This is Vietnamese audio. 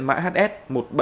mã hs một mươi bảy một